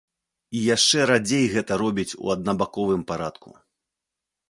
І яшчэ радзей гэта робіць у аднабаковым парадку.